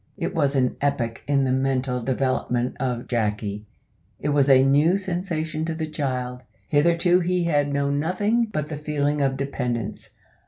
It was an epoch in the mental development of Jacky it was a new sensation to the child. Hitherto he had known nothing but the feeling of dependence.